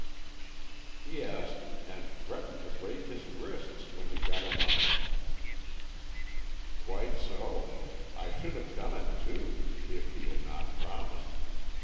"Yes; and threatened to break his wrists when you got him up." "Quite so. I should have done it, too, if he had not promised.